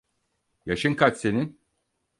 Yaşın kaç senin?